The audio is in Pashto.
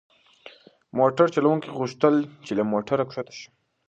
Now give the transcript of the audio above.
موټر چلونکي غوښتل چې له موټره کښته شي.